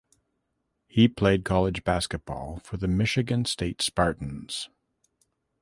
He played college basketball for the Michigan State Spartans.